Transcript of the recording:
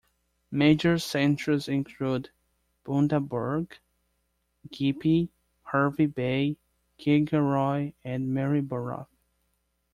Major centres include Bundaberg, Gympie, Hervey Bay, Kingaroy and Maryborough.